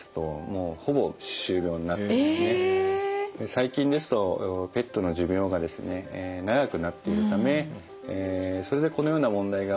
最近ですとペットの寿命がですね長くなっているためそれでこのような問題が起き始めたのかもしれません。